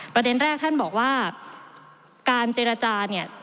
ประเด็นแรกท่านบอกว่าการเจรจาเนี่ย